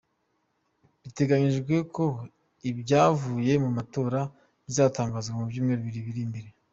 Biteganyijwe ko ibyavuye mu matora bizatangazwa mu byumweru bibiri biri mbere.